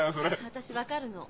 私分かるの。